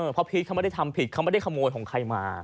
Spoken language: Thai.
เพราะพีชเขาไม่ได้ทำผิดเขาไม่ได้ขโมยของใครมา